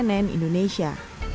tim liputan cnn indonesia